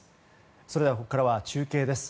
それではここからは中継です。